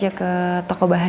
pacerta yang begitu